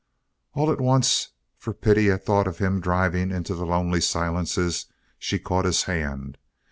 All at once, for pity at thought of him driving into the lonely silences, she caught his hand.